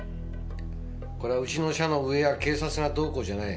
これはうちの社の上や警察がどうこうじゃない。